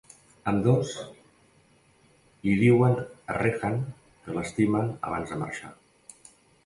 Ambdós li diuen a Rehan que l'estimen abans de marxar.